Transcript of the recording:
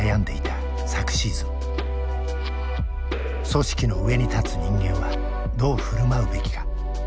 組織の上に立つ人間はどう振る舞うべきか。